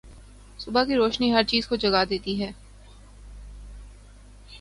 صبح کی روشنی ہر چیز کو جگا دیتی ہے۔